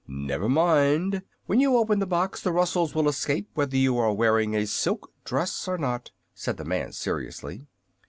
"Never mind. When you open the box the rustles will escape, whether you are wearing a silk dress or not," said the man, seriously.